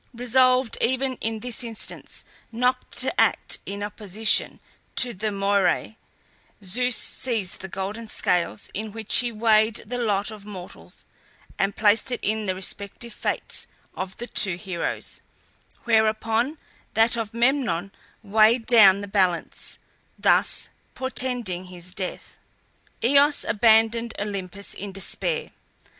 Resolved even in this instance not to act in opposition to the Moirae, Zeus seized the golden scales in which he weighed the lot of mortals, and placed in it the respective fates of the two heroes, whereupon that of Memnon weighed down the balance, thus portending his death. Eos abandoned Olympus in despair.